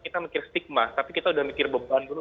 tapi kita sudah mikir beban dulu